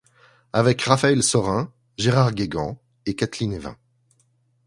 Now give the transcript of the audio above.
Avec Raphaël Sorin, Gérard Guégan et Katleen Evin.